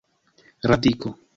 radiko